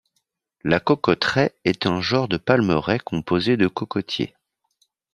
La cocoteraie est un genre de palmeraie composé de cocotiers.